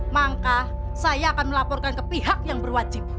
maka saya akan melaporkan ke pihak yang berwajib